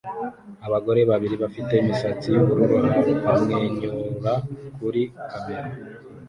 Abagore babiri bafite imisatsi yubururu bamwenyura kuri kamera